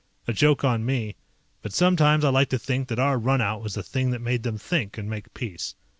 A joke on me, but sometimes I like to think that our runout was the thing that made them think and make peace.